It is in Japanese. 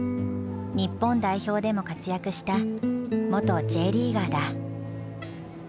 日本代表でも活躍した元Ｊリーガーだ。